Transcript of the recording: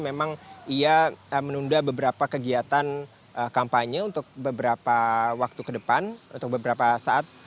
memang ia menunda beberapa kegiatan kampanye untuk beberapa waktu ke depan untuk beberapa saat